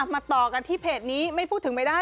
มาต่อกันที่เพจนี้ไม่พูดถึงไม่ได้